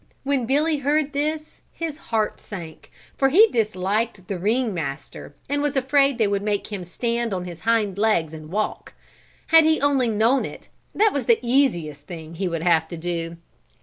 When Billy heard this his heart sank for he disliked the ring master and was afraid they would make him stand on his hind legs and walk. Had he only known it, that was the easiest thing he would have to do.